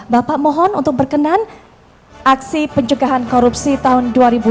bapak mohon untuk berkenan aksi pencegahan korupsi tahun dua ribu dua puluh tiga dua ribu dua puluh empat